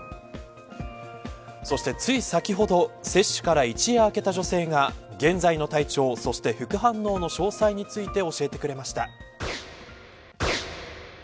そして、つい先ほど接種から一夜明けた女性が現在の体調そして副反応の詳細について教えてくれました。